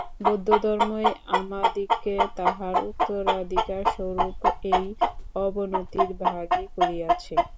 বৌদ্ধধর্মই আমাদিগকে তাহার উত্তরাধিকারস্বরূপ এই অবনতির ভাগী করিয়াছে।